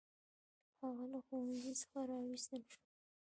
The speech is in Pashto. هغه له ښوونځي څخه وایستل شو.